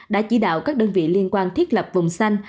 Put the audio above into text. đã chỉ đạo các đơn vị liên quan thiết lập vùng xanh